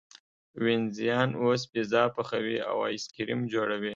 وینزیان اوس پیزا پخوي او ایس کریم جوړوي.